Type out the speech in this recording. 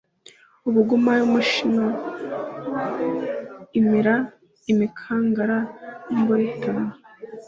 ibuguma y'umushino imira imikangara y'imboro itanu.